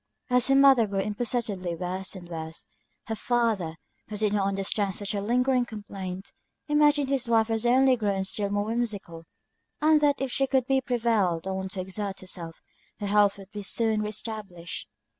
As her mother grew imperceptibly worse and worse, her father, who did not understand such a lingering complaint, imagined his wife was only grown still more whimsical, and that if she could be prevailed on to exert herself, her health would soon be re established.